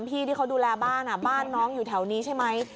ที่เขาดูแลบ้านบ้านน้องอยู่แถวนี้ใช่ไหม